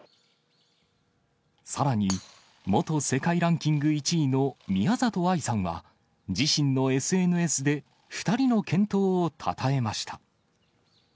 さらに、元世界ランキング１位の宮里藍さんは、自身のＳＮＳで２人の健闘をたたえました。